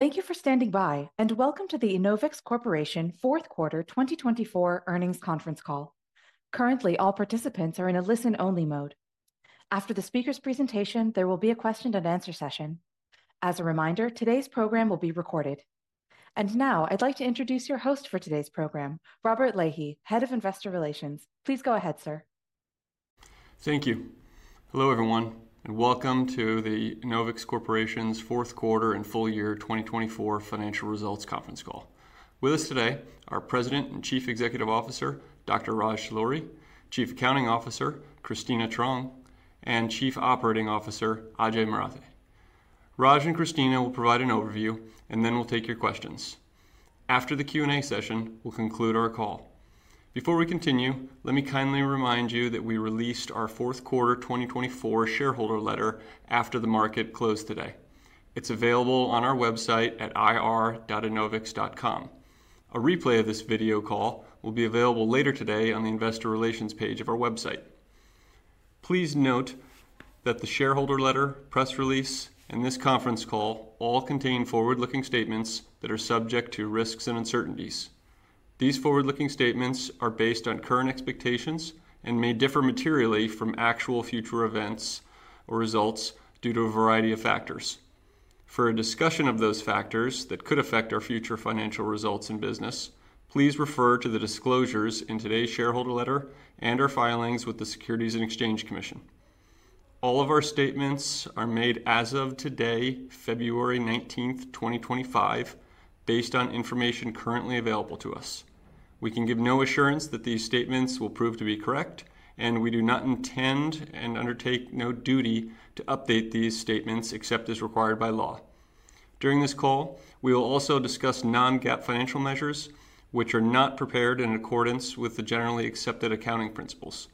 Thank you for standing by, and welcome to the Enovix Corporation Fourth Quarter 2024 Earnings Conference Call. Currently, all participants are in a listen-only mode. After the speaker's presentation, there will be a question-and-answer session. As a reminder, today's program will be recorded. And now, I'd like to introduce your host for today's program, Robert Lahey, Head of Investor Relations. Please go ahead, sir. Thank you. Hello, everyone, and welcome to the Enovix Corporation's Fourth Quarter and Full Year 2024 Financial Results Conference Call. With us today are President and Chief Executive Officer Dr. Raj Talluri, Chief Accounting Officer Kristina Truong, and Chief Operating Officer Ajay Marathe. Raj and Kristina will provide an overview, and then we'll take your questions. After the Q&A session, we'll conclude our call. Before we continue, let me kindly remind you that we released our Fourth Quarter 2024 shareholder letter after the market closed today. It's available on our website at ir.enovix.com. A replay of this video call will be available later today on the Investor Relations page of our website. Please note that the shareholder letter, press release, and this conference call all contain forward-looking statements that are subject to risks and uncertainties. These forward-looking statements are based on current expectations and may differ materially from actual future events or results due to a variety of factors. For a discussion of those factors that could affect our future financial results and business, please refer to the disclosures in today's shareholder letter and our filings with the Securities and Exchange Commission. All of our statements are made as of today, February 19, 2025, based on information currently available to us. We can give no assurance that these statements will prove to be correct, and we do not intend and undertake no duty to update these statements except as required by law. During this call, we will also discuss non-GAAP financial measures, which are not prepared in accordance with the Generally Accepted Accounting Principles.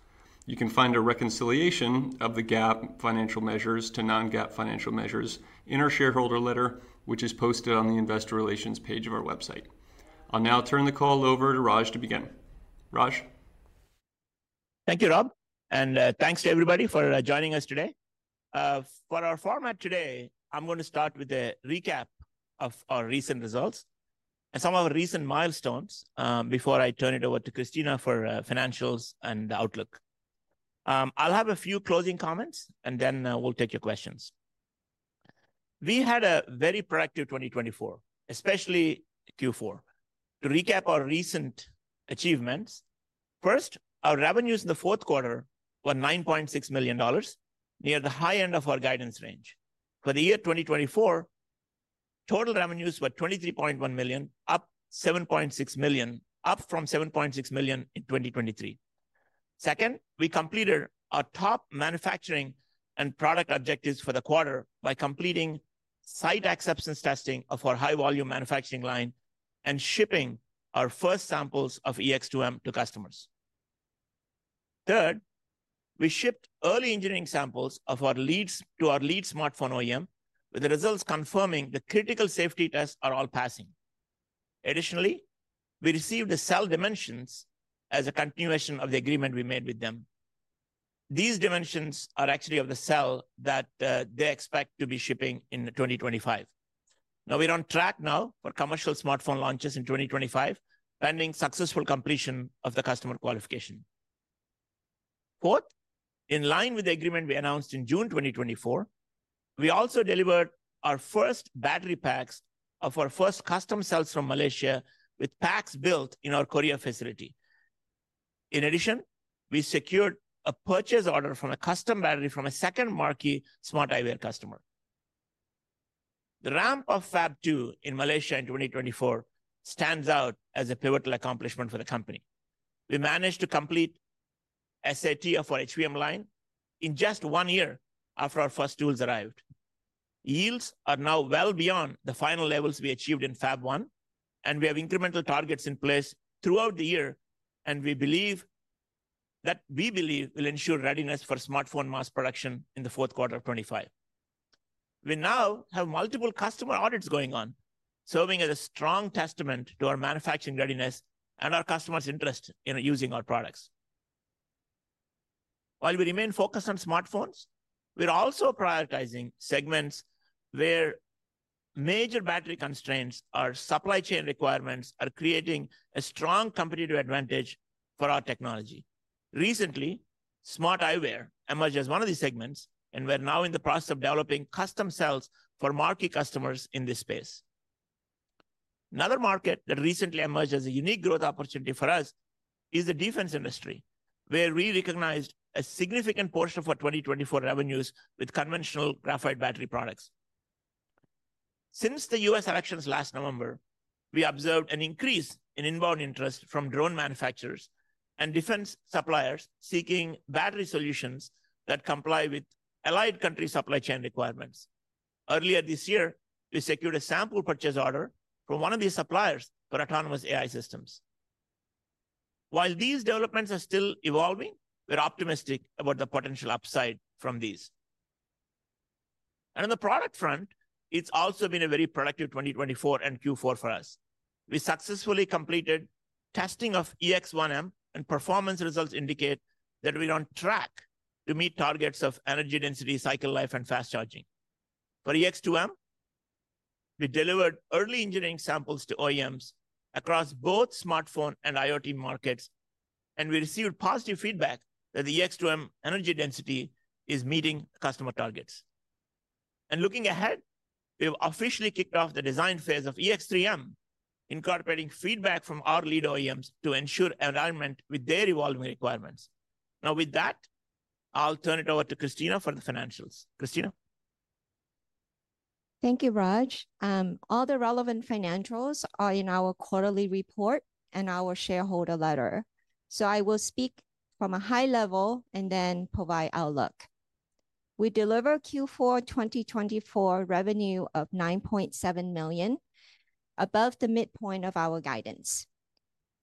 You can find a reconciliation of the GAAP financial measures to non-GAAP financial measures in our shareholder letter, which is posted on the Investor Relations page of our website. I'll now turn the call over to Raj to begin. Raj. Thank you, Rob, and thanks to everybody for joining us today. For our format today, I'm going to start with a recap of our recent results and some of our recent milestones before I turn it over to Kristina for financials and outlook. I'll have a few closing comments, and then we'll take your questions. We had a very productive 2024, especially Q4. To recap our recent achievements, first, our revenues in the fourth quarter were $9.6 million, near the high end of our guidance range. For the year 2024, total revenues were $23.1 million, up $7.6 million, up from $7.6 million in 2023. Second, we completed our top manufacturing and product objectives for the quarter by completing Site Acceptance Testing of our high-volume manufacturing line and shipping our first samples of EX-2M to customers. Third, we shipped early engineering samples of our lead smartphone OEM, with the results confirming the critical safety tests are all passing. Additionally, we received the cell dimensions as a continuation of the agreement we made with them. These dimensions are actually of the cell that they expect to be shipping in 2025. Now, we're on track for commercial smartphone launches in 2025, pending successful completion of the customer qualification. Fourth, in line with the agreement we announced in June 2024, we also delivered our first battery packs of our first custom cells from Malaysia, with packs built in our Korea facility. In addition, we secured a purchase order from a custom battery from a second marquee smart eyewear customer. The ramp of Fab 2 in Malaysia in 2024 stands out as a pivotal accomplishment for the company. We managed to complete SAT of our HVM line in just one year after our first tools arrived. Yields are now well beyond the final levels we achieved in Fab 1, and we have incremental targets in place throughout the year, and we believe that will ensure readiness for smartphone mass production in the fourth quarter of 2025. We now have multiple customer audits going on, serving as a strong testament to our manufacturing readiness and our customers' interest in using our products. While we remain focused on smartphones, we're also prioritizing segments where major battery constraints or supply chain requirements are creating a strong competitive advantage for our technology. Recently, smart eyewear emerged as one of these segments, and we're now in the process of developing custom cells for marquee customers in this space. Another market that recently emerged as a unique growth opportunity for us is the defense industry, where we recognized a significant portion of our 2024 revenues with conventional graphite battery products. Since the U.S. elections last November, we observed an increase in inbound interest from drone manufacturers and defense suppliers seeking battery solutions that comply with allied country supply chain requirements. Earlier this year, we secured a sample purchase order from one of these suppliers for autonomous AI systems. While these developments are still evolving, we're optimistic about the potential upside from these, and on the product front, it's also been a very productive 2024 and Q4 for us. We successfully completed testing of EX-1M, and performance results indicate that we're on track to meet targets of energy density, cycle life, and fast charging. For EX-2M, we delivered early engineering samples to OEMs across both smartphone and IoT markets, and we received positive feedback that the EX-2M energy density is meeting customer targets. And looking ahead, we have officially kicked off the design phase of EX-3M, incorporating feedback from our lead OEMs to ensure alignment with their evolving requirements. Now, with that, I'll turn it over to Kristina for the financials. Kristina. Thank you, Raj. All the relevant financials are in our quarterly report and our shareholder letter. So I will speak from a high level and then provide outlook. We delivered Q4 2024 revenue of $9.7 million, above the midpoint of our guidance.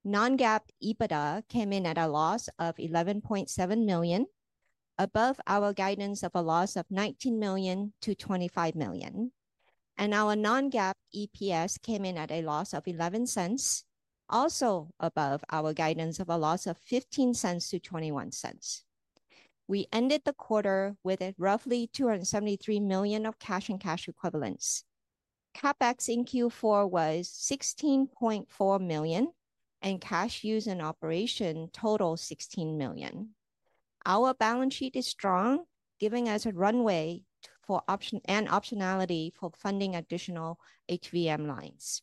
Non-GAAP EBITDA came in at a loss of $11.7 million, above our guidance of a loss of $19 million-$25 million. And our non-GAAP EPS came in at a loss of $0.11, also above our guidance of a loss of $0.15-$0.21. We ended the quarter with roughly $273 million of cash and cash equivalents. CapEx in Q4 was $16.4 million, and cash used in operations totaled $16 million. Our balance sheet is strong, giving us a runway and optionality for funding additional HVM lines.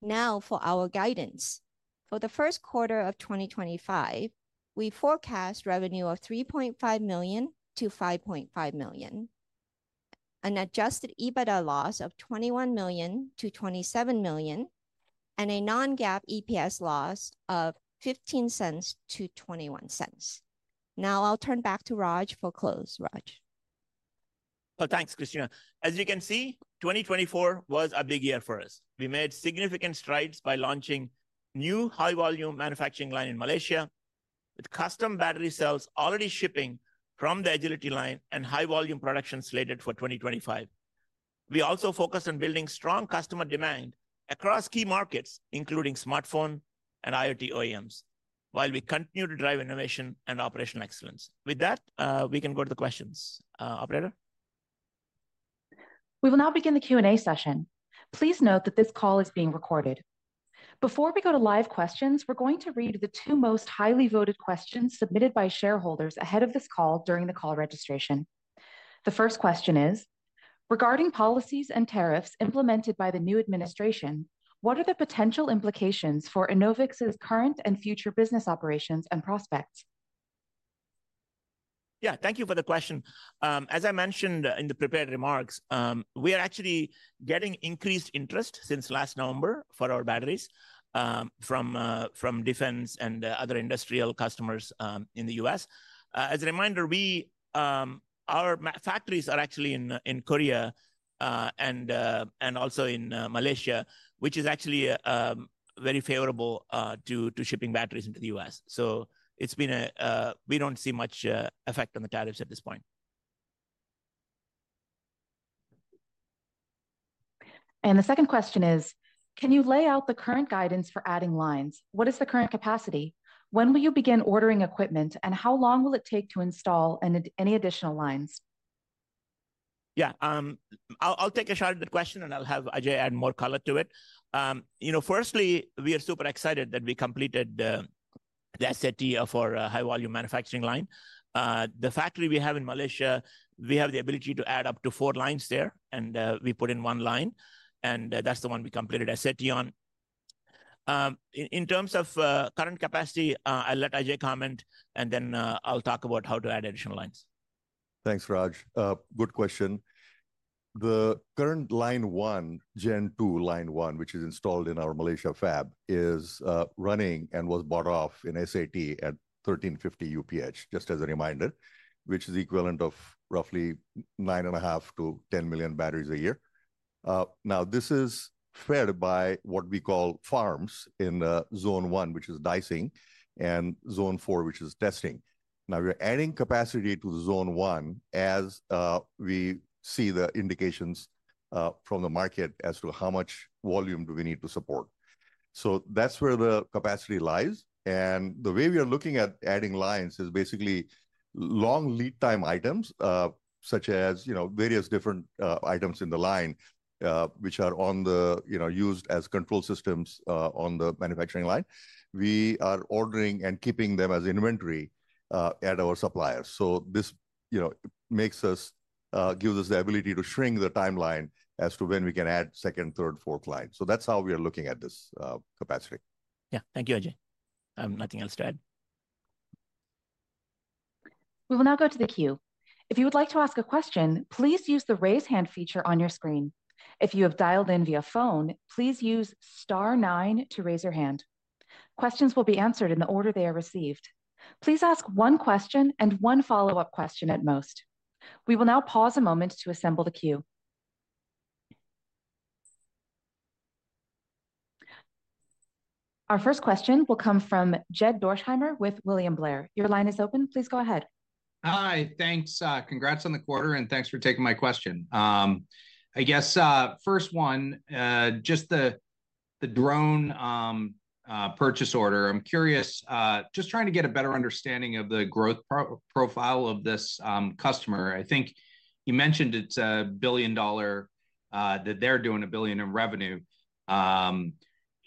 Now, for our guidance. For the first quarter of 2025, we forecast revenue of $3.5 million-$5.5 million, an adjusted EBITDA loss of $21 million-$27 million, and a non-GAAP EPS loss of $0.15-$0.21. Now, I'll turn back to Raj for close, Raj. Thanks, Kristina. As you can see, 2024 was a big year for us. We made significant strides by launching a new high-volume manufacturing line in Malaysia, with custom battery cells already shipping from the Agility Line and high-volume production slated for 2025. We also focused on building strong customer demand across key markets, including smartphone and IoT OEMs, while we continue to drive innovation and operational excellence. With that, we can go to the questions, operator. We will now begin the Q&A session. Please note that this call is being recorded. Before we go to live questions, we're going to read the two most highly voted questions submitted by shareholders ahead of this call during the call registration. The first question is, regarding policies and tariffs implemented by the new administration, what are the potential implications for Enovix's current and future business operations and prospects? Yeah, thank you for the question. As I mentioned in the prepared remarks, we are actually getting increased interest since last November for our batteries from defense and other industrial customers in the U.S. As a reminder, our factories are actually in Korea and also in Malaysia, which is actually very favorable to shipping batteries into the U.S. So it's been. We don't see much effect on the tariffs at this point. The second question is, can you lay out the current guidance for adding lines? What is the current capacity? When will you begin ordering equipment, and how long will it take to install any additional lines? Yeah, I'll take a shot at the question, and I'll have Ajay add more color to it. You know, firstly, we are super excited that we completed the SAT of our high-volume manufacturing line. The factory we have in Malaysia, we have the ability to add up to four lines there, and we put in one line, and that's the one we completed SAT on. In terms of current capacity, I'll let Ajay comment, and then I'll talk about how to add additional lines. Thanks, Raj. Good question. The current Line 1, Gen2 Line 1, which is installed in our Malaysia fab, is running and was bought off in SAT at 1,350 UPH, just as a reminder, which is the equivalent of roughly 9.5-10 million batteries a year. Now, this is fed by what we call farms in Zone 1, which is dicing, and Zone 4, which is testing. Now, we're adding capacity to Zone 1 as we see the indications from the market as to how much volume do we need to support. So that's where the capacity lies. And the way we are looking at adding lines is basically long lead time items, such as various different items in the line, which are used as control systems on the manufacturing line. We are ordering and keeping them as inventory at our suppliers. So this gives us the ability to shrink the timeline as to when we can add second, third, fourth line. So that's how we are looking at this capacity. Yeah, thank you, Ajay. Nothing else to add. We will now go to the queue. If you would like to ask a question, please use the raise hand feature on your screen. If you have dialed in via phone, please use star nine to raise your hand. Questions will be answered in the order they are received. Please ask one question and one follow-up question at most. We will now pause a moment to assemble the queue. Our first question will come from Jed Dorsheimer with William Blair. Your line is open. Please go ahead. Hi, thanks. Congrats on the quarter, and thanks for taking my question. I guess first one, just the drone purchase order. I'm curious, just trying to get a better understanding of the growth profile of this customer. I think you mentioned it's a billion-dollar that they're doing a billion in revenue.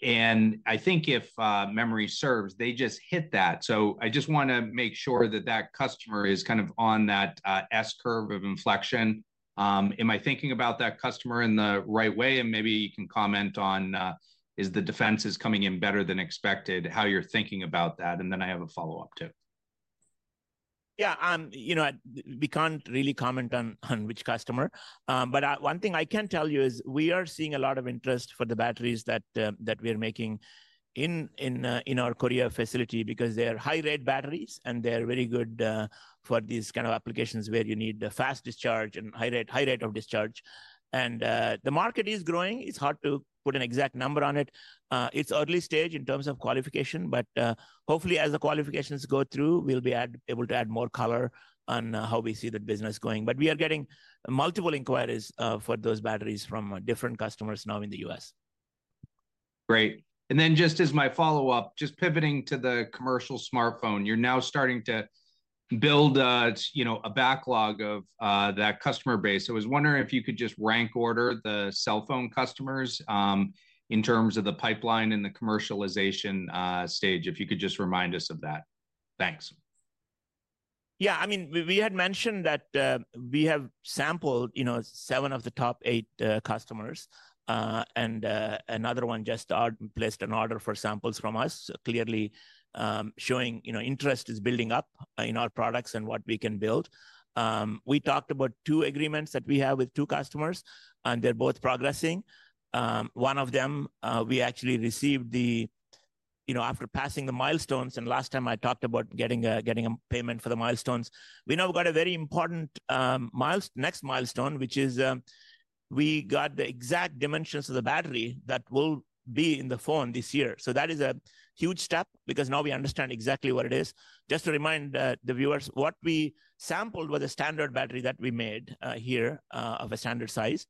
And I think, if memory serves, they just hit that. So I just want to make sure that that customer is kind of on that S-curve of inflection. Am I thinking about that customer in the right way? And maybe you can comment on, is the defense coming in better than expected, how you're thinking about that? And then I have a follow-up too. Yeah, you know, we can't really comment on which customer. But one thing I can tell you is we are seeing a lot of interest for the batteries that we are making in our Korea facility because they are high-rate batteries, and they are very good for these kind of applications where you need the fast discharge and high rate of discharge. And the market is growing. It's hard to put an exact number on it. It's early stage in terms of qualification, but hopefully, as the qualifications go through, we'll be able to add more color on how we see the business going. But we are getting multiple inquiries for those batteries from different customers now in the U.S. Great. And then just as my follow-up, just pivoting to the commercial smartphone, you're now starting to build a backlog of that customer base. I was wondering if you could just rank order the cell phone customers in terms of the pipeline and the commercialization stage, if you could just remind us of that? Thanks. Yeah, I mean, we had mentioned that we have sampled seven of the top eight customers, and another one just placed an order for samples from us, clearly showing interest is building up in our products and what we can build. We talked about two agreements that we have with two customers, and they're both progressing. One of them, we actually received the, after passing the milestones, and last time I talked about getting a payment for the milestones, we now got a very important next milestone, which is we got the exact dimensions of the battery that will be in the phone this year. So that is a huge step because now we understand exactly what it is. Just to remind the viewers, what we sampled was a standard battery that we made here of a standard size.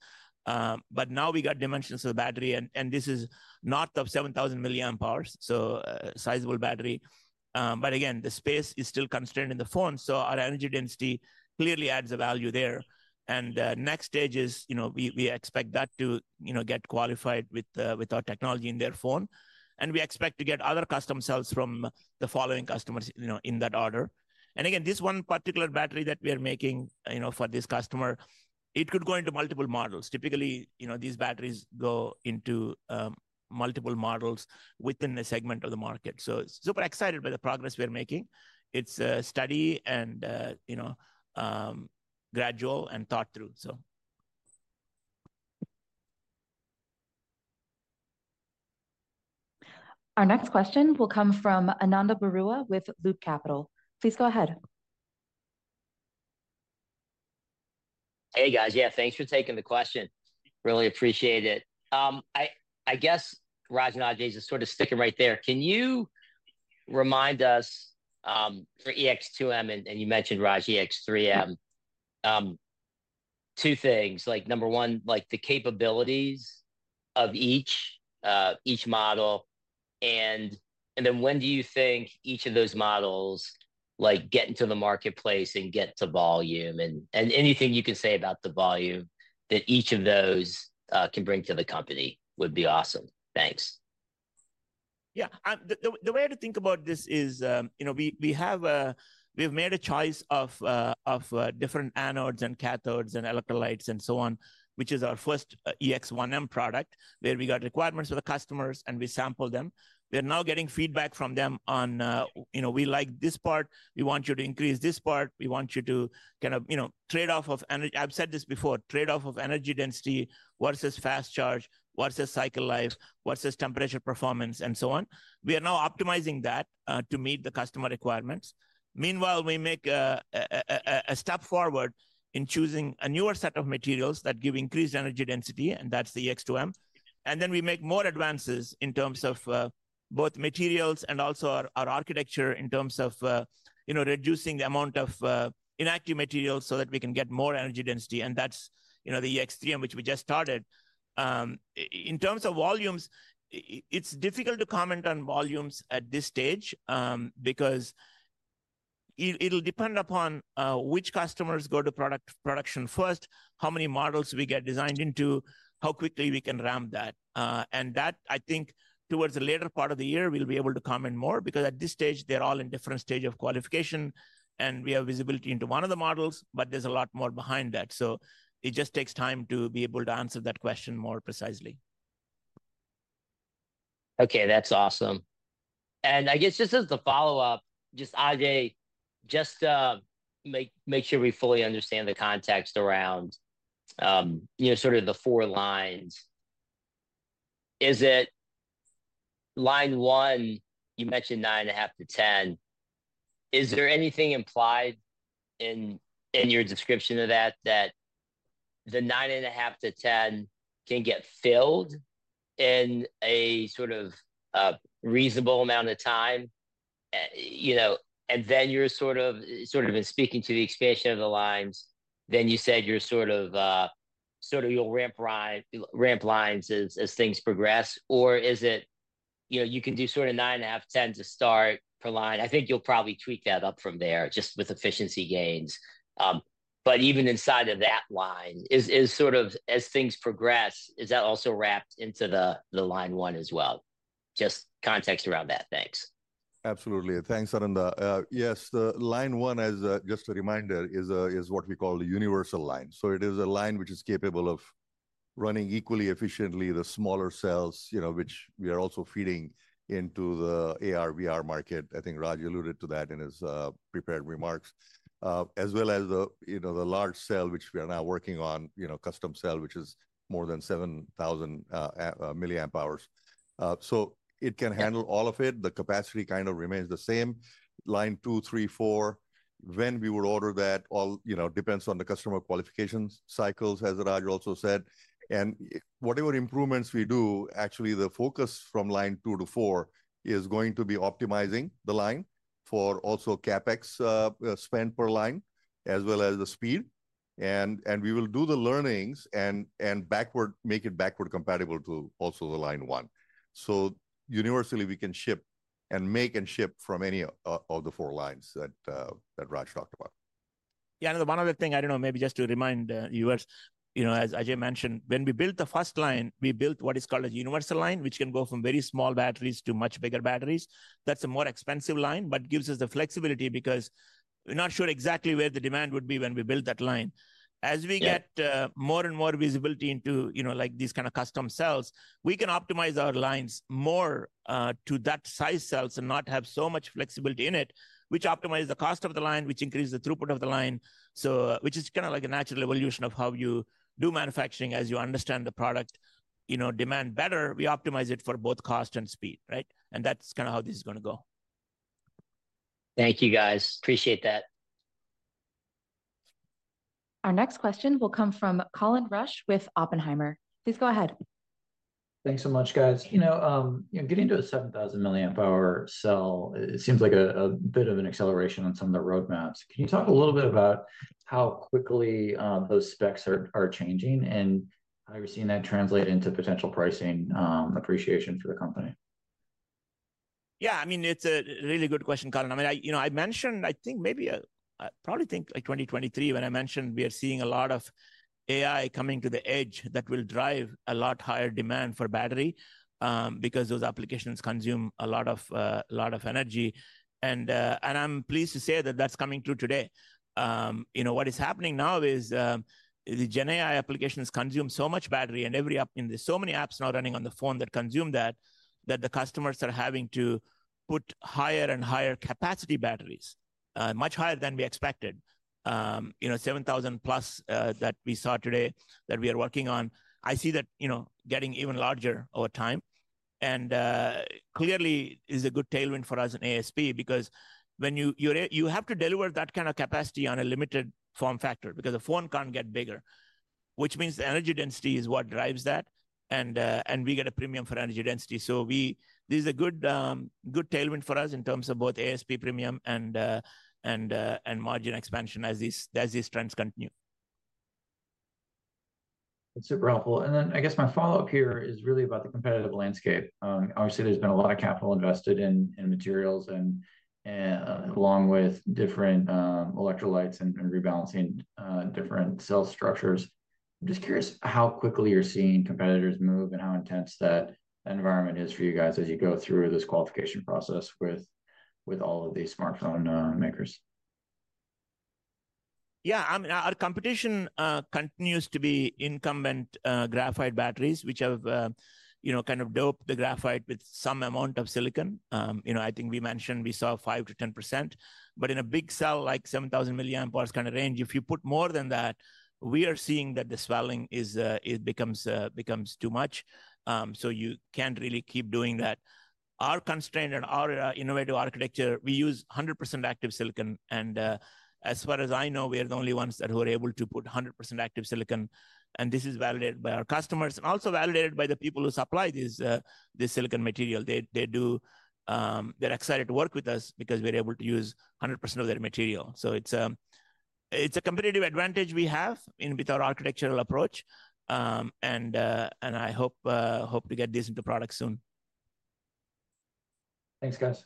But now we got dimensions of the battery, and this is north of 7,000 milliamp hours, so a sizable battery. But again, the space is still constrained in the phone, so our energy density clearly adds a value there. And the next stage is we expect that to get qualified with our technology in their phone. And we expect to get other custom cells from the following customers in that order. And again, this one particular battery that we are making for this customer, it could go into multiple models. Typically, these batteries go into multiple models within a segment of the market. So super excited by the progress we're making. It's a steady and gradual and thought through, so. Our next question will come from Ananda Baruah with Loop Capital. Please go ahead. Hey, guys. Yeah, thanks for taking the question. Really appreciate it. I guess, Raj and Ajay, just sort of sticking right there. Can you remind us for EX-2M, and you mentioned, Raj, EX-3M, two things. Like number one, like the capabilities of each model. And then when do you think each of those models gets into the marketplace and gets the volume? And anything you can say about the volume that each of those can bring to the company would be awesome. Thanks. Yeah. The way to think about this is we have made a choice of different anodes and cathodes and electrolytes and so on, which is our first EX-1M product, where we got requirements for the customers, and we sampled them. We are now getting feedback from them on, we like this part. We want you to increase this part. We want you to kind of trade-off of energy. I've said this before, trade-off of energy density versus fast charge versus cycle life versus temperature performance, and so on. We are now optimizing that to meet the customer requirements. Meanwhile, we make a step forward in choosing a newer set of materials that give increased energy density, and that's the EX-2M. And then we make more advances in terms of both materials and also our architecture in terms of reducing the amount of inactive materials so that we can get more energy density. And that's the EX-3M, which we just started. In terms of volumes, it's difficult to comment on volumes at this stage because it'll depend upon which customers go to production first, how many models we get designed into, how quickly we can ramp that. That, I think, towards the later part of the year, we'll be able to comment more because at this stage, they're all in different stages of qualification, and we have visibility into one of the models, but there's a lot more behind that, so it just takes time to be able to answer that question more precisely. Okay, that's awesome. I guess just as a follow-up, just Ajay, just make sure we fully understand the context around sort of the four lines. Is it Line 1, you mentioned 9.5-10? Is there anything implied in your description of that, that the 9.5-10 can get filled in a sort of reasonable amount of time? And then you're sort of been speaking to the expansion of the lines, then you said you're sort of you'll ramp lines as things progress. Or is it you can do sort of 9.5, 10 to start per line? I think you'll probably tweak that up from there just with efficiency gains. But even inside of that line, is sort of as things progress, is that also wrapped into the Line 1 as well? Just context around that, thanks. Absolutely. Thanks, Ananda. Yes, the Line 1, as just a reminder, is what we call the universal line. So it is a line which is capable of running equally efficiently the smaller cells, which we are also feeding into the AR/VR market. I think Raj alluded to that in his prepared remarks, as well as the large cell, which we are now working on, custom cell, which is more than 7,000 milliamp hours. So it can handle all of it. The capacity kind of remains the same. Line 2, three, four, when we would order that, all depends on the customer qualification cycles, as Raj also said. Whatever improvements we do, actually, the focus from Line 2 to four is going to be optimizing the line for also CapEx spent per line, as well as the speed. And we will do the learnings and make it backward compatible to also the Line 1. So universally, we can ship and make and ship from any of the four lines that Raj talked about. Yeah, another thing, I don't know, maybe just to remind viewers, as Ajay mentioned, when we built the first line, we built what is called a universal line, which can go from very small batteries to much bigger batteries. That's a more expensive line, but gives us the flexibility because we're not sure exactly where the demand would be when we build that line. As we get more and more visibility into these kind of custom cells, we can optimize our lines more to that size cells and not have so much flexibility in it, which optimizes the cost of the line, which increases the throughput of the line, which is kind of like a natural evolution of how you do manufacturing as you understand the product demand better. We optimize it for both cost and speed, right? And that's kind of how this is going to go. Thank you, guys. Appreciate that. Our next question will come from Colin Rusch with Oppenheimer. Please go ahead. Thanks so much, guys. You know, getting to a 7,000 milliamp-hour cell, it seems like a bit of an acceleration on some of the roadmaps. Can you talk a little bit about how quickly those specs are changing and how you're seeing that translate into potential pricing appreciation for the company? Yeah, I mean, it's a really good question, Colin. I mean, I mentioned like 2023, when I mentioned we are seeing a lot of AI coming to the edge that will drive a lot higher demand for battery because those applications consume a lot of energy, and I'm pleased to say that that's coming true today. What is happening now is the Gen AI applications consume so much battery, and there's so many apps now running on the phone that consume that, that the customers are having to put higher and higher capacity batteries, much higher than we expected. 7,000-plus that we saw today that we are working on, I see that getting even larger over time. Clearly, it is a good tailwind for us in ASP because you have to deliver that kind of capacity on a limited form factor because the phone can't get bigger, which means the energy density is what drives that. We get a premium for energy density. This is a good tailwind for us in terms of both ASP premium and margin expansion as these trends continue. That's super helpful. And then I guess my follow-up here is really about the competitive landscape. Obviously, there's been a lot of capital invested in materials and along with different electrolytes and rebalancing different cell structures. I'm just curious how quickly you're seeing competitors move and how intense that environment is for you guys as you go through this qualification process with all of these smartphone makers? Yeah, I mean, our competition continues to be incumbent graphite batteries, which have kind of doped the graphite with some amount of silicon. I think we mentioned we saw 5%-10%. But in a big cell, like 7,000 milliamp hours kind of range, if you put more than that, we are seeing that the swelling becomes too much. So you can't really keep doing that. Our constraint and our innovative architecture, we use 100% active silicon. And as far as I know, we are the only ones that were able to put 100% active silicon. And this is validated by our customers and also validated by the people who supply this silicon material. They're excited to work with us because we're able to use 100% of their material. So it's a competitive advantage we have with our architectural approach. And I hope to get this into product soon. Thanks, guys.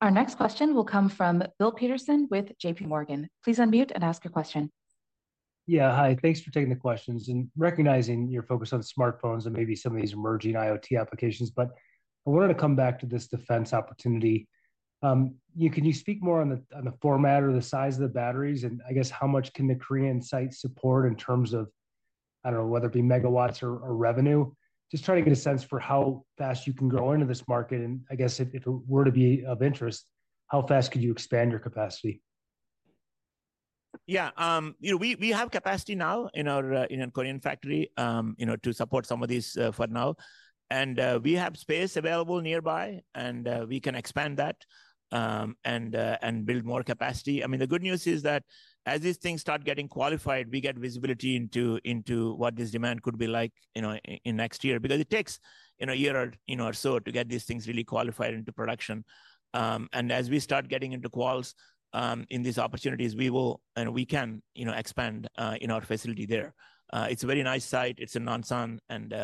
Our next question will come from Bill Peterson with JP Morgan. Please unmute and ask your question. Yeah, hi. Thanks for taking the questions, and recognizing your focus on smartphones and maybe some of these emerging IoT applications, but I wanted to come back to this defense opportunity. Can you speak more on the format or the size of the batteries, and I guess how much can the Korean site support in terms of, I don't know, whether it be megawatts or revenue? Just trying to get a sense for how fast you can grow into this market, and I guess if it were to be of interest, how fast could you expand your capacity? Yeah, we have capacity now in our Korean factory to support some of these for now, and we have space available nearby, and we can expand that and build more capacity. I mean, the good news is that as these things start getting qualified, we get visibility into what this demand could be like in next year because it takes a year or so to get these things really qualified into production, and as we start getting into calls in these opportunities, we will and we can expand in our facility there. It's a very nice site. It's in Nonsan, and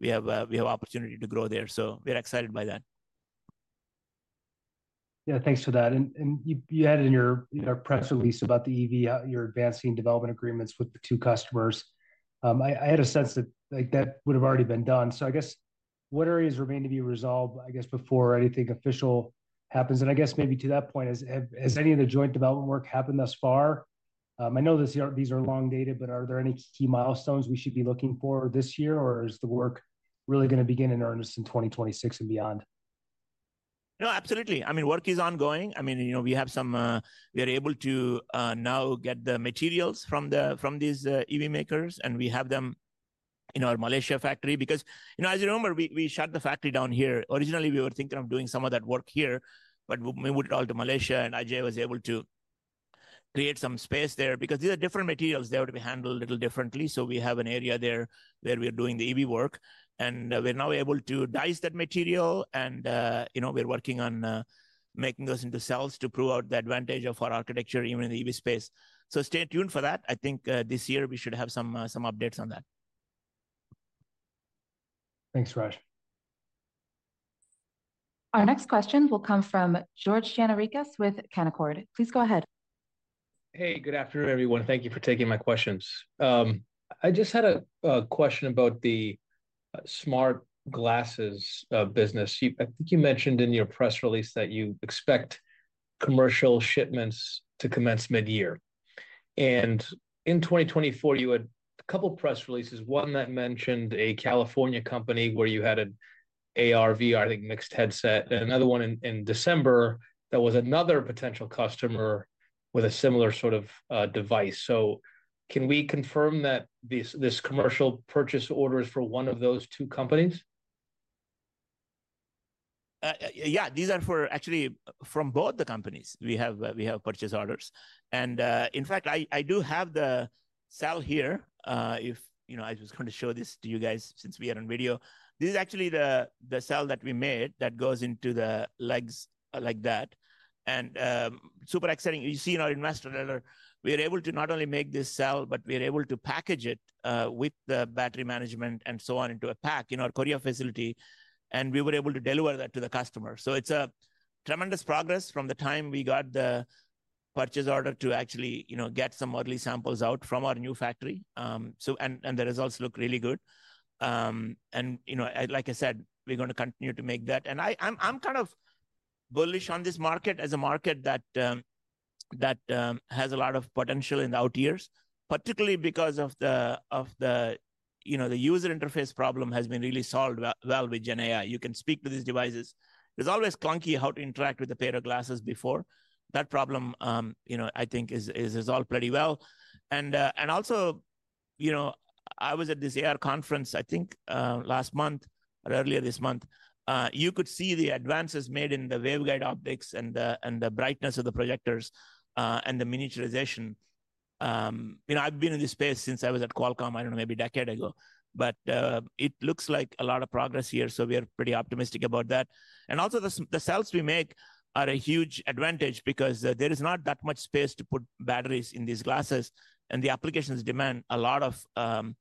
we have an opportunity to grow there. We're excited by that. Yeah, thanks for that. And you added in your press release about the EV, you're advancing development agreements with the two customers. I had a sense that that would have already been done. So I guess what areas remain to be resolved, I guess, before anything official happens? And I guess maybe to that point, has any of the joint development work happened thus far? I know these are long-dated, but are there any key milestones we should be looking for this year, or is the work really going to begin in earnest in 2026 and beyond? No, absolutely. I mean, work is ongoing. I mean, we have some, we are able to now get the materials from these EV makers, and we have them in our Malaysia factory because, as you remember, we shut the factory down here. Originally, we were thinking of doing some of that work here, but we moved it all to Malaysia, and Ajay was able to create some space there because these are different materials. They have to be handled a little differently. So we have an area there where we are doing the EV work, and we're now able to dice that material, and we're working on making those into cells to prove out the advantage of our architecture even in the EV space. So stay tuned for that. I think this year we should have some updates on that. Thanks, Raj. Our next question will come from George Gianarikas with Canaccord. Please go ahead. Hey, good afternoon, everyone. Thank you for taking my questions. I just had a question about the smart glasses business. I think you mentioned in your press release that you expect commercial shipments to commence mid-year, and in 2024, you had a couple of press releases, one that mentioned a California company where you had an AR/VR, I think, mixed headset, and another one in December that was another potential customer with a similar sort of device, so can we confirm that this commercial purchase order is for one of those two companies? Yeah, these are actually from both the companies. We have purchase orders. And in fact, I do have the cell here. I was going to show this to you guys since we are on video. This is actually the cell that we made that goes into the legs like that. And super exciting. You see in our investor letter, we are able to not only make this cell, but we are able to package it with the battery management and so on into a pack in our Korea facility. And we were able to deliver that to the customer. So it's a tremendous progress from the time we got the purchase order to actually get some early samples out from our new factory. And the results look really good. And like I said, we're going to continue to make that. I'm kind of bullish on this market as a market that has a lot of potential in the out years, particularly because of the user interface problem has been really solved well with Gen AI. You can speak to these devices. It was always clunky how to interact with a pair of glasses before. That problem, I think, has resolved pretty well. And also, I was at this AR conference, I think, last month or earlier this month. You could see the advances made in the waveguide optics and the brightness of the projectors and the miniaturization. I've been in this space since I was at Qualcomm, I don't know, maybe a decade ago. It looks like a lot of progress here. We are pretty optimistic about that. And also, the cells we make are a huge advantage because there is not that much space to put batteries in these glasses. And the applications demand a lot of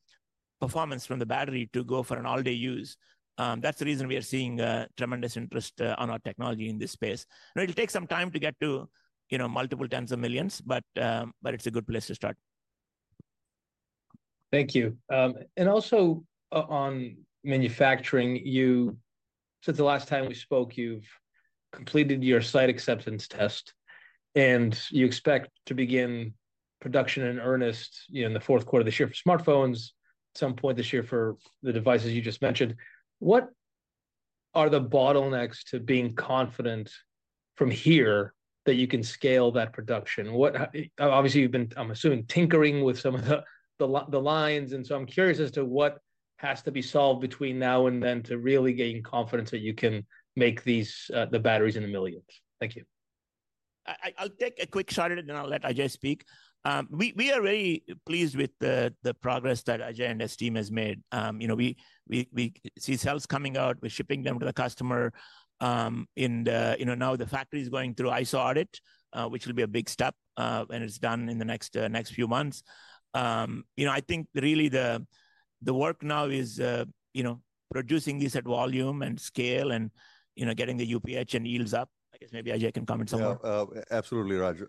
performance from the battery to go for an all-day use. That's the reason we are seeing tremendous interest on our technology in this space. It'll take some time to get to multiple tens of millions, but it's a good place to start. Thank you. And also on manufacturing, since the last time we spoke, you've completed your site acceptance test. And you expect to begin production in earnest in the fourth quarter of this year for smartphones, at some point this year for the devices you just mentioned. What are the bottlenecks to being confident from here that you can scale that production? Obviously, you've been, I'm assuming, tinkering with some of the lines. And so I'm curious as to what has to be solved between now and then to really gain confidence that you can make the batteries in the millions. Thank you. I'll take a quick shot at it, and I'll let Ajay speak. We are very pleased with the progress that Ajay and his team has made. We see cells coming out. We're shipping them to the customer. And now the factory is going through ISO audit, which will be a big step when it's done in the next few months. I think really the work now is producing these at volume and scale and getting the UPH and yields up. I guess maybe Ajay can comment somewhat. Absolutely, Raj.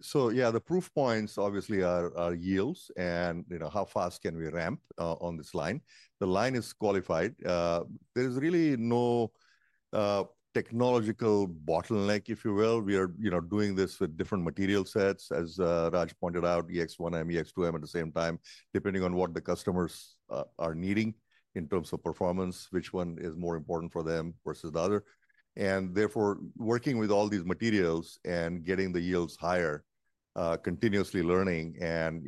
So yeah, the proof points obviously are yields and how fast can we ramp on this line. The line is qualified. There is really no technological bottleneck, if you will. We are doing this with different material sets, as Raj pointed out, EX-1M, EX-2M at the same time, depending on what the customers are needing in terms of performance, which one is more important for them versus the other. And therefore, working with all these materials and getting the yields higher, continuously learning and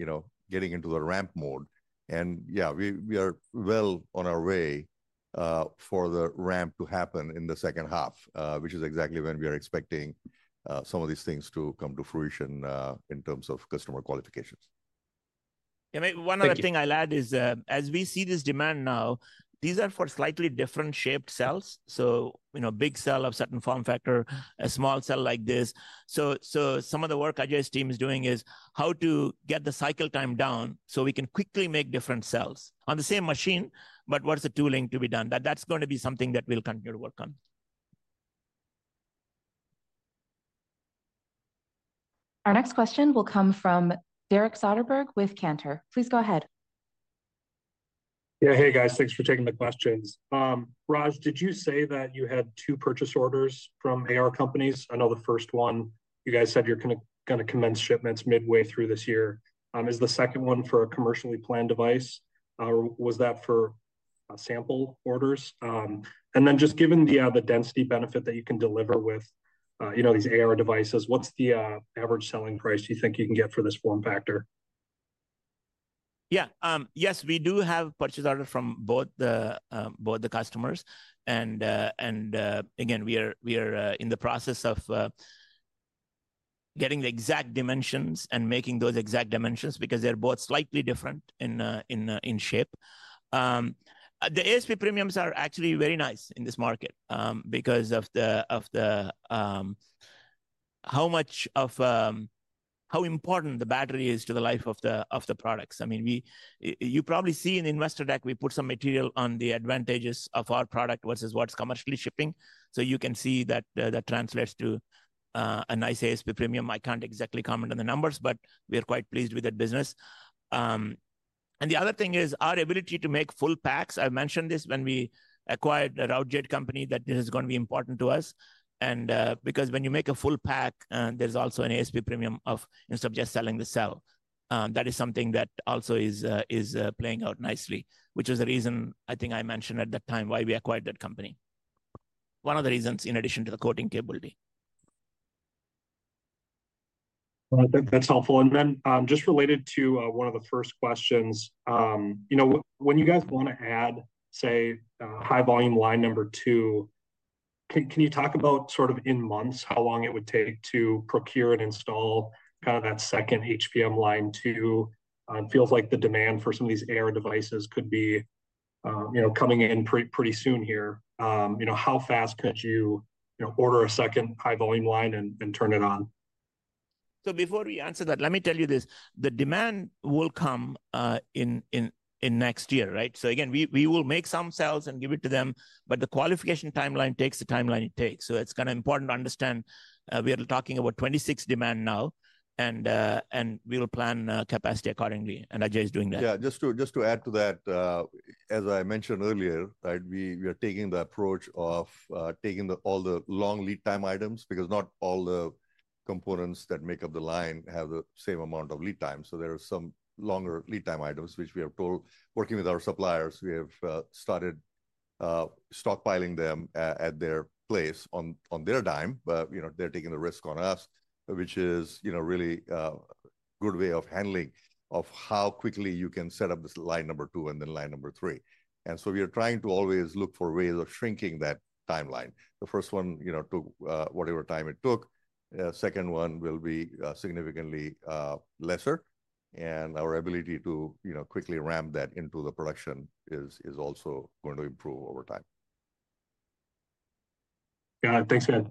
getting into the ramp mode. And yeah, we are well on our way for the ramp to happen in the second half, which is exactly when we are expecting some of these things to come to fruition in terms of customer qualifications. Yeah, one other thing I'll add is, as we see this demand now, these are for slightly different shaped cells. So a big cell of certain form factor, a small cell like this. So some of the work Ajay's team is doing is how to get the cycle time down so we can quickly make different cells on the same machine, but what's the tooling to be done? That's going to be something that we'll continue to work on. Our next question will come from Derek Soderberg with Cantor. Please go ahead. Yeah, hey, guys. Thanks for taking the questions. Raj, did you say that you had two purchase orders from AR companies? I know the first one, you guys said you're going to commence shipments midway through this year. Is the second one for a commercially planned device? Or was that for sample orders? And then just given the density benefit that you can deliver with these AR devices, what's the average selling price you think you can get for this form factor? Yeah. Yes, we do have purchase orders from both the customers. And again, we are in the process of getting the exact dimensions and making those exact dimensions because they're both slightly different in shape. The ASP premiums are actually very nice in this market because of how important the battery is to the life of the products. I mean, you probably see in the investor deck, we put some material on the advantages of our product versus what's commercially shipping. So you can see that that translates to a nice ASP premium. I can't exactly comment on the numbers, but we are quite pleased with that business. And the other thing is our ability to make full packs. I've mentioned this when we acquired a Routejade company that this is going to be important to us. And because when you make a full pack, there's also an ASP premium instead of just selling the cell. That is something that also is playing out nicely, which was the reason I think I mentioned at that time why we acquired that company. One of the reasons in addition to the coating capability. That's helpful. And then just related to one of the first questions, when you guys want to add, say, high volume line number two, can you talk about sort of in months how long it would take to procure and install kind of that second HVM Line 2? It feels like the demand for some of these AR devices could be coming in pretty soon here. How fast could you order a second high volume line and turn it on? So before we answer that, let me tell you this. The demand will come in next year, right? So again, we will make some cells and give it to them, but the qualification timeline takes the timeline it takes. So it's kind of important to understand we are talking about 2026 demand now, and we will plan capacity accordingly. And Ajay is doing that. Yeah, just to add to that, as I mentioned earlier, we are taking the approach of taking all the long lead time items because not all the components that make up the line have the same amount of lead time. So there are some longer lead time items, which we have already been working with our suppliers. We have started stockpiling them at their place on their dime, but they're taking the risk on us, which is really a good way of handling how quickly you can set up this line number two and then line number three. And so we are trying to always look for ways of shrinking that timeline. The first one took whatever time it took. The second one will be significantly lesser. And our ability to quickly ramp that into the production is also going to improve over time. Got it. Thanks, man.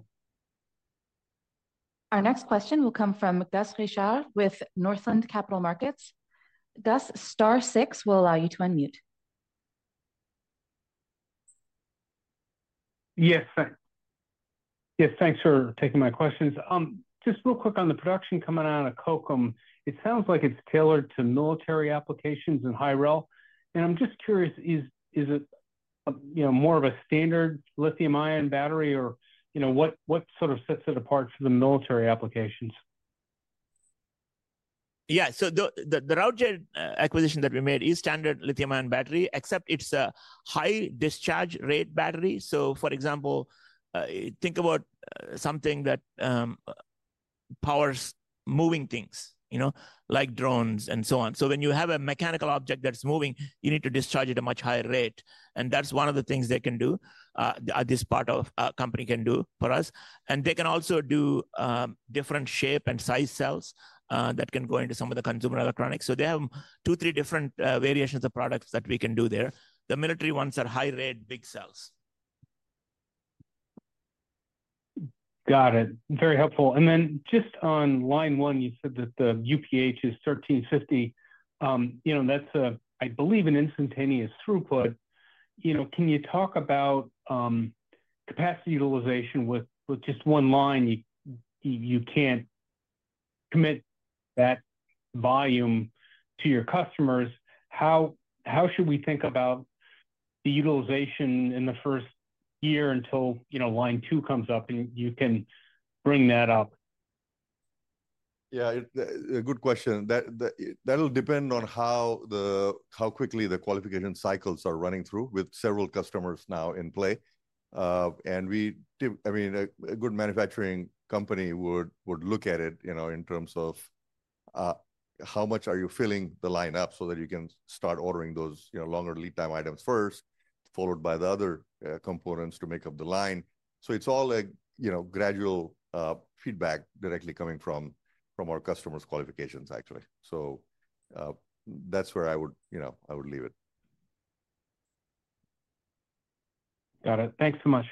Our next question will come from Gus Richard with Northland Capital Markets. Does Star Six will allow you to unmute? Yes. Yes, thanks for taking my questions. Just real quick on the production coming out of Kokam, it sounds like it's tailored to military applications and High-Rel. And I'm just curious, is it more of a standard lithium-ion battery or what sort of sets it apart for the military applications? Yeah, so the Routejade acquisition that we made is standard lithium-ion battery, except it's a high discharge rate battery. So for example, think about something that powers moving things like drones and so on. So when you have a mechanical object that's moving, you need to discharge at a much higher rate. And that's one of the things they can do, this part of the company can do for us. And they can also do different shape and size cells that can go into some of the consumer electronics. So they have two, three different variations of products that we can do there. The military ones are high rate big cells. Got it. Very helpful. And then just on Line 1, you said that the UPH is 1350. That's, I believe, an instantaneous throughput. Can you talk about capacity utilization with just one line? You can't commit that volume to your customers. How should we think about the utilization in the first year until Line 2 comes up and you can bring that up? Yeah, good question. That'll depend on how quickly the qualification cycles are running through with several customers now in play. And I mean, a good manufacturing company would look at it in terms of how much are you filling the line up so that you can start ordering those longer lead time items first, followed by the other components to make up the line. So it's all a gradual feedback directly coming from our customers' qualifications, actually. So that's where I would leave it. Got it. Thanks so much.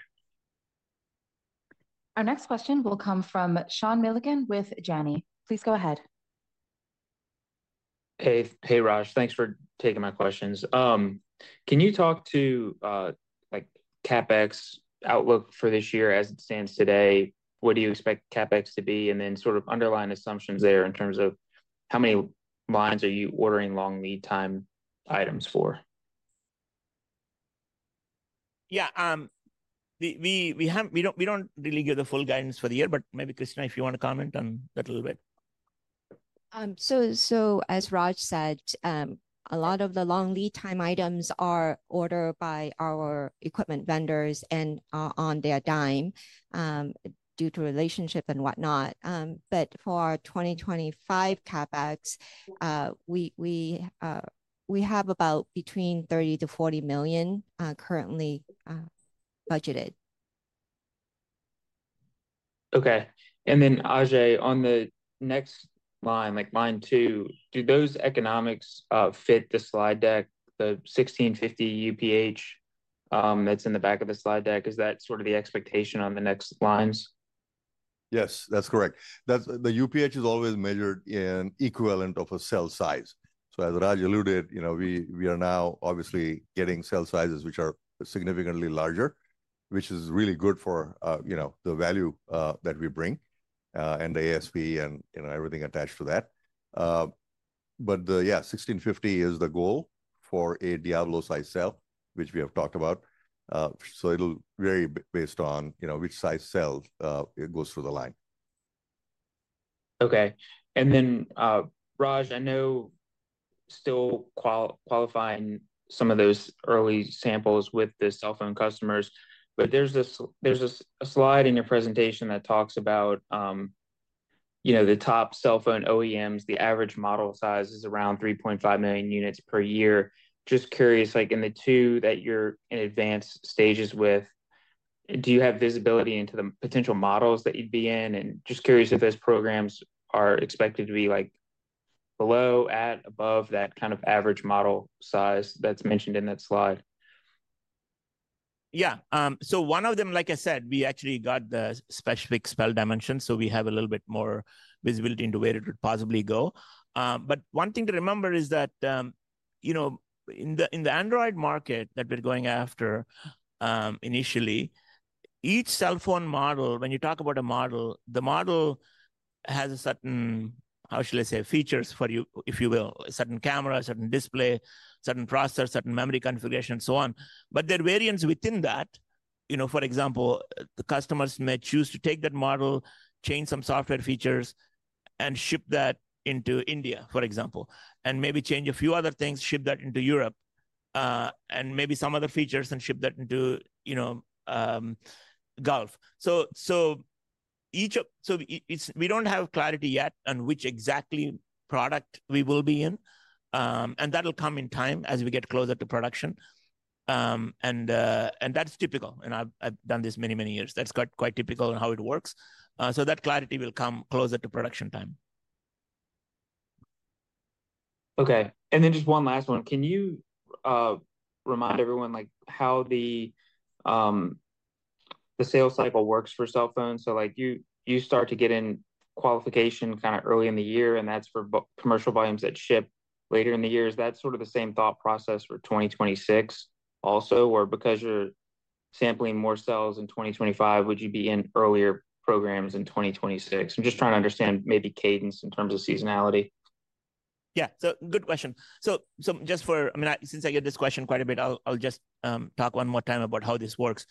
Our next question will come from Sean Milligan with Janney. Please go ahead. Hey, Raj. Thanks for taking my questions. Can you talk to CapEx outlook for this year as it stands today? What do you expect CapEx to be? And then sort of underlying assumptions there in terms of how many lines are you ordering long lead time items for? Yeah. We don't really give the full guidance for the year, but maybe Kristina, if you want to comment on that a little bit. As Raj said, a lot of the long lead time items are ordered by our equipment vendors and on their dime due to relationship and whatnot. For our 2025 CapEx, we have about between $30 million-$40 million currently budgeted. Okay. And then Ajay, on the next line, Line 2, do those economics fit the slide deck, the 1650 UPH that's in the back of the slide deck? Is that sort of the expectation on the next lines? Yes, that's correct. The UPH is always measured in equivalent of a cell size. So as Raj alluded, we are now obviously getting cell sizes which are significantly larger, which is really good for the value that we bring and the ASP and everything attached to that. But yeah, 1650 is the goal for a Diablo-sized cell, which we have talked about. So it'll vary based on which size cell goes through the line. Okay. And then Raj, I know [you are] still qualifying some of those early samples with the cell phone customers, but there's a slide in your presentation that talks about the top cell phone OEMs. The average model size is around 3.5 million units per year. Just curious, in the two that you're in advanced stages with, do you have visibility into the potential models that you'd be in? And just curious if those programs are expected to be below, at, or above that kind of average model size that's mentioned in that slide. Yeah. So one of them, like I said, we actually got the specific cell dimensions. So we have a little bit more visibility into where it would possibly go. But one thing to remember is that in the Android market that we're going after initially, each cell phone model, when you talk about a model, the model has a certain, how shall I say, features for you, if you will, certain camera, certain display, certain processor, certain memory configuration, and so on. But there are variants within that. For example, the customers may choose to take that model, change some software features, and ship that into India, for example, and maybe change a few other things, ship that into Europe, and maybe some other features and ship that into Gulf. So we don't have clarity yet on which exactly product we will be in. And that'll come in time as we get closer to production. And that's typical. And I've done this many, many years. That's quite typical on how it works. So that clarity will come closer to production time. Okay, and then just one last one. Can you remind everyone how the sales cycle works for cell phones, so you start to get in qualification kind of early in the year, and that's for commercial volumes that ship later in the year. Is that sort of the same thought process for 2026 also, or because you're sampling more cells in 2025, would you be in earlier programs in 2026? I'm just trying to understand maybe cadence in terms of seasonality. Yeah. So good question. So just for, I mean, since I get this question quite a bit, I'll just talk one more time about how this works.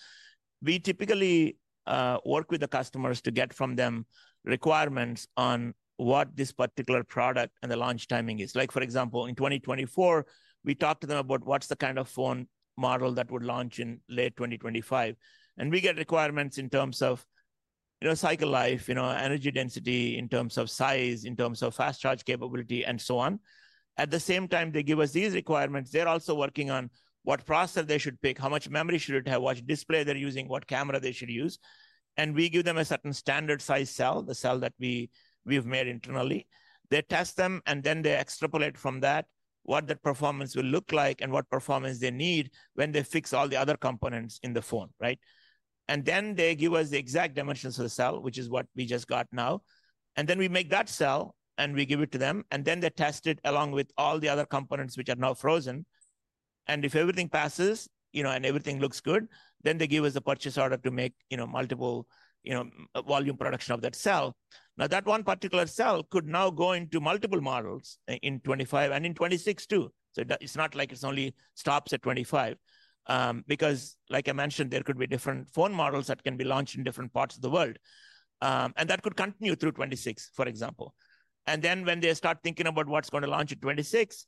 We typically work with the customers to get from them requirements on what this particular product and the launch timing is. For example, in 2024, we talked to them about what's the kind of phone model that would launch in late 2025. And we get requirements in terms of cycle life, energy density, in terms of size, in terms of fast charge capability, and so on. At the same time, they give us these requirements. They're also working on what processor they should pick, how much memory should it have, what display they're using, what camera they should use. And we give them a certain standard size cell, the cell that we've made internally. They test them, and then they extrapolate from that what that performance will look like and what performance they need when they fix all the other components in the phone, right? And then they give us the exact dimensions of the cell, which is what we just got now. And then we make that cell and we give it to them. And then they test it along with all the other components which are now frozen. And if everything passes and everything looks good, then they give us a purchase order to make multiple volume production of that cell. Now, that one particular cell could now go into multiple models in 2025 and in 2026 too. So it's not like it only stops at 2025 because, like I mentioned, there could be different phone models that can be launched in different parts of the world. That could continue through 2026, for example. And then when they start thinking about what's going to launch in 2026,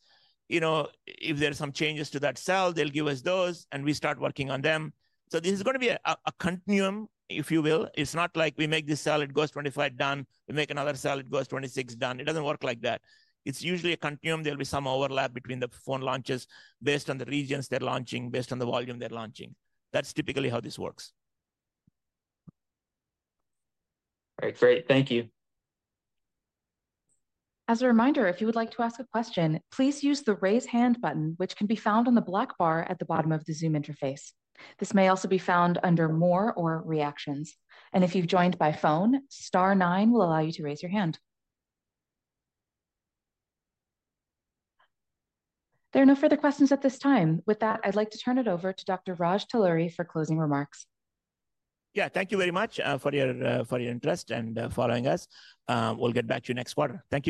if there are some changes to that cell, they'll give us those and we start working on them. So this is going to be a continuum, if you will. It's not like we make this cell, it goes 2025, done. We make another cell, it goes 2026, done. It doesn't work like that. It's usually a continuum. There'll be some overlap between the phone launches based on the regions they're launching, based on the volume they're launching. That's typically how this works. All right. Great. Thank you. As a reminder, if you would like to ask a question, please use the raise hand button, which can be found on the black bar at the bottom of the Zoom interface. This may also be found under more or reactions. And if you've joined by phone, star nine will allow you to raise your hand. There are no further questions at this time. With that, I'd like to turn it over to Dr. Raj Talluri for closing remarks. Yeah, thank you very much for your interest and following us. We'll get back to you next quarter. Thank you.